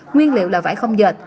nguyên liệu là vải không dệt